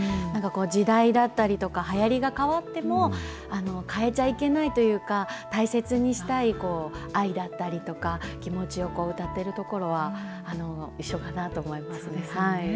時代だったりとか、はやりが変わっても、変えちゃいけないというか、大切にしたい愛だったりとか、気持ちを歌っているところは、一そうですね。